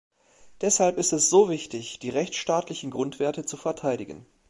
Deshalb ist es so wichtig, die rechtsstaatlichen Grundwerte zu verteidigen.